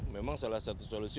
memang salah satu solusi